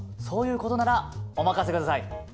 そういうことならお任せください！